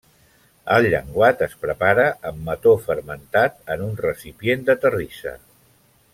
El llenguat es prepara amb mató fermentat en un recipient de terrissa.